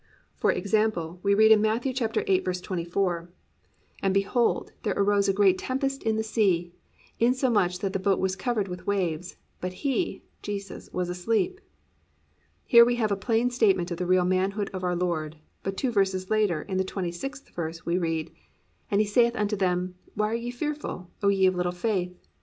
For example, we read in Matt. 8:24, +"And behold, there arose a great tempest in the sea, insomuch that the boat was covered with the waves; but He+ (Jesus) +was asleep."+ Here we have a plain statement of the real manhood of our Lord, but two verses later, in the 26th verse, we read, +"And He saith unto them, why are ye fearful, O ye of little faith?